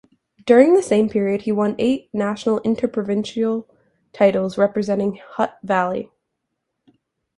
During the same period he won eight national interprovincial titles representing Hutt Valley.